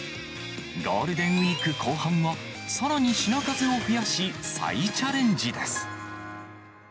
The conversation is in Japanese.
ゴールデンウィーク後半は、さらに品数を増やし、再チャレンジです。